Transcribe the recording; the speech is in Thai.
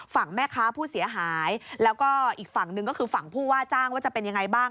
ฝั่งแม่ค้าผู้เสียหายแล้วก็อีกฝั่งหนึ่งก็คือฝั่งผู้ว่าจ้างว่าจะเป็นยังไงบ้าง